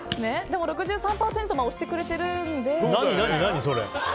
でも６３％も押してくれてるので。